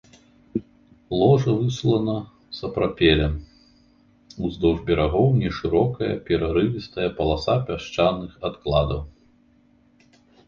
Ложа выслана сапрапелем, уздоўж берагоў нешырокая перарывістая паласа пясчаных адкладаў.